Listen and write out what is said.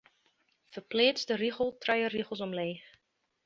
Ferpleats de rigel trije rigels omleech.